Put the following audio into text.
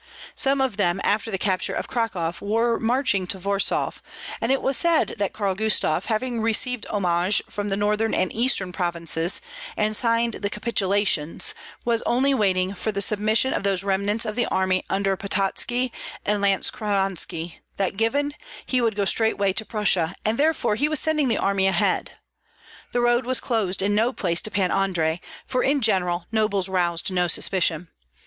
Some of them, after the capture of Cracow, were marching to Warsaw, for it was said that Karl Gustav, having received homage from the northern and eastern provinces and signed the "capitulations," was only waiting for the submission of those remnants of the army under Pototski and Lantskoronski; that given, he would go straightway to Prussia, and therefore he was sending the army ahead. The road was closed in no place to Pan Andrei, for in general nobles roused no suspicion.